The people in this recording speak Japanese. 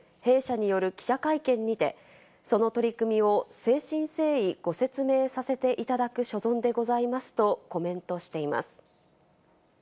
弊社による記者会見にてその取り組みを誠心誠意ご説明させていただく所存でございますとコメントしています。